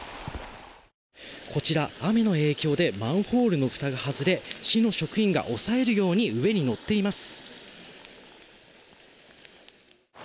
こちら、雨の影響でマンホールの蓋が外れ市の職員が押さえるように上に乗っています。